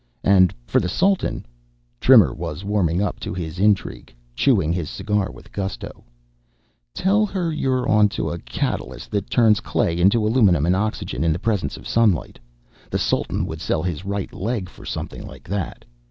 And for the Sultan," Trimmer was warming up to his intrigue, chewing on his cigar with gusto, "tell her you're on to a catalyst that turns clay into aluminum and oxygen in the presence of sunlight. The Sultan would sell his right leg for something like that.